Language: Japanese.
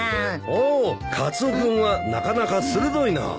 ・おおカツオ君はなかなか鋭いなぁ。